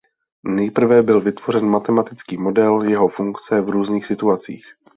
Nejprve byl vytvořen matematický model jeho funkce v různých situacích.